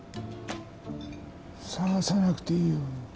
探さなくていいよ。